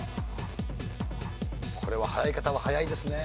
これは早い方は早いですね。